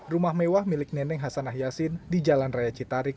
rumah mewah milik neneng hasanah yassin di jalan raya citarik